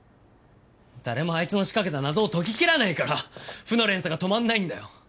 誰もあいつの仕掛けた謎を解ききらないから負の連鎖が止まんないんだよ。